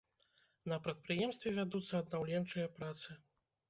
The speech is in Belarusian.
На прадпрыемстве вядуцца аднаўленчыя працы.